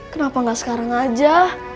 kenapa gak sekarang aja